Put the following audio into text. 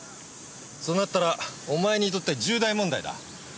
そうなったらお前にとっては重大問題だ。